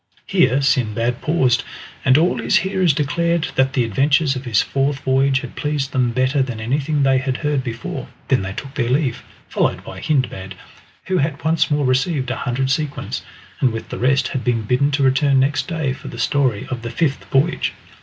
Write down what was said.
Here Sindbad paused, and all his hearers declared that the adventures of his fourth voyage had pleased them better than anything they had heard before. They then took their leave, followed by Hindbad, who had once more received a hundred sequins, and with the rest had been bidden to return next day for the story of the fifth voyage.